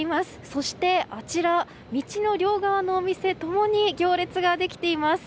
そしてあちら道の両側のお店も行列ができています。